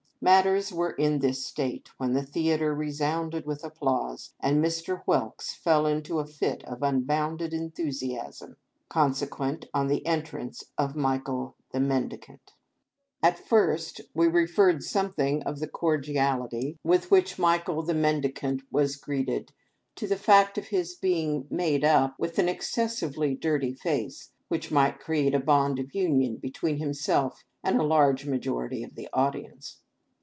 Matters were in this state when the Theatre resounded with applause, and Mr. Whelks fell into a fit of nnbounded en thusiasm, consequent on the entrance of " Michael the Men dicant." At first we referred something of the cordiality with 164 THE AMUSEMENTS OP THE PEOPLE. which Michael the Mendicant was greeted to the fact of his being " made up" with an excessively dirty face, which might create a bond of union between himself and a large majority of the audience.